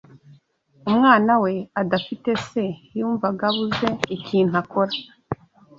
umwana we adafite Se yumvaga abuze ikintu akora